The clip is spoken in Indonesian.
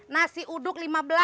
nasi uduk lima belas